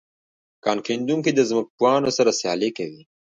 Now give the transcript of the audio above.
کان کیندونکي د ځمکپوهانو سره سیالي کوي